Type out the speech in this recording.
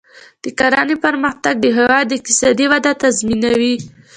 د کرنې پرمختګ د هیواد اقتصادي وده تضمینوي.